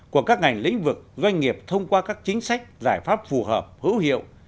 của các ngành lĩnh vực doanh nghiệp thông qua các chính sách giải pháp phù hợp hữu hiệu